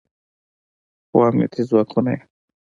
خو امنیتي ځواکونه یې